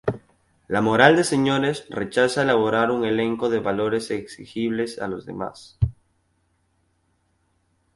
La "moral de señores" rechaza elaborar un elenco de valores exigibles a los demás.